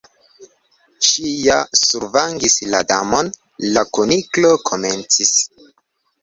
"Ŝi ja survangis la Damon " la Kuniklo komencis.